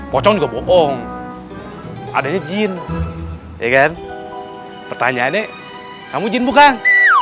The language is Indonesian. pocong juga bohong adanya jin ya kan pertanyaannya kamu jin bukan